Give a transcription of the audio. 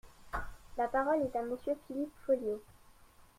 La parole est à Monsieur Philippe Folliot.